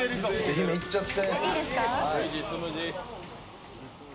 姫、いっちゃって。